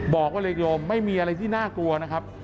บอกให้เรียกรวมไม่มีอะไรที่น่ากลัวนะครับ